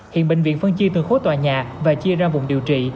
hiện bệnh viện phân chia từ khối tòa nhà và chia ra vùng điều trị